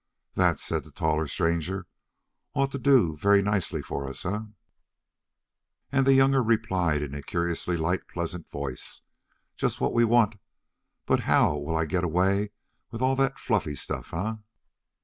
"That," said the taller stranger, "ought to do very nicely for us, eh?" And the younger replied in a curiously light, pleasant voice: "Just what we want. But how'll I get away with all that fluffy stuff, eh?"